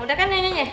udah kan neneknya